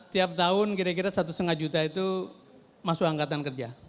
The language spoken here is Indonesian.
tiap tahun kira kira satu lima juta itu masuk angkatan kerja